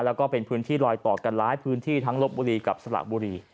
แล้วก็เป็นพื้นที่ลอยต่อกันหลายพื้นที่ทั้งลบบุรีกับสละบุรี